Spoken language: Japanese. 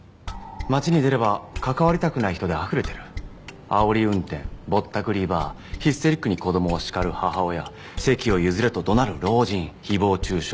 街に出れば関わりたくない人であふれてるあおり運転ぼったくりバーヒステリックに子どもを叱る母親席を譲れとどなる老人ひぼう中傷